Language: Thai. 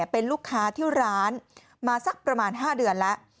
เป็นลูกค้าที่ร้านมาสักประมาณ๕เดือนแล้ว